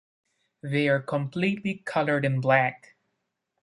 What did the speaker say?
They are completely colored in black.